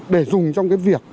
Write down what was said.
để dùng trong cái việc